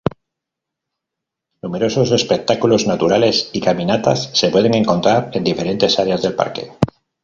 Numerosos espectáculos naturales y caminatas se pueden encontrar en diferentes áreas del parque.